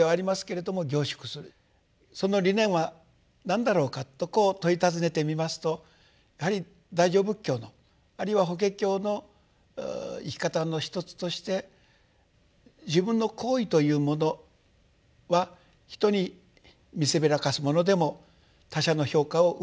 その理念は何だろうかとこう問い尋ねてみますとやはり大乗仏教のあるいは法華経の生き方の一つとして自分の行為というものは人に見せびらかすものでも他者の評価を受けるものでもないと。